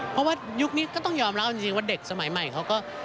เพราะว่ายุคนี้ก็ต้องยอมรับจริงว่าเด็กสมัยใหม่เขาก็